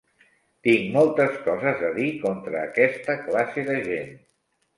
Tinc moltes coses a dir contra aquesta classe de gent.